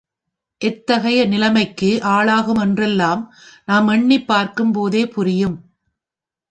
எத்தகைய நிலைமைக்கு ஆளாகும் என்றெல்லாம் நாம் எண்ணிப் பார்க்கும் போதே புரியும்.